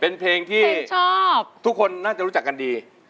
เป็นเพลงที่ชอบทุกคนน่าจะรู้จักกันดี